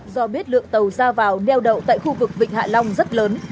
do biết lượng tàu ra vào neo đậu tại khu vực vịnh hạ long rất lớn